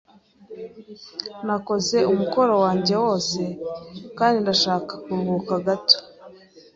Nakoze umukoro wanjye wose kandi ndashaka kuruhuka gato.